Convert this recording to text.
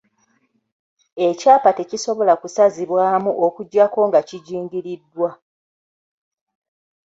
Ekyapa tekisobola kusazibwamu okuggyako nga kijingiriddwa.